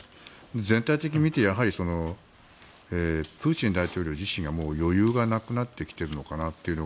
全体的に見てやはりプーチン大統領自身がもう余裕がなくなってきているのかなというのが。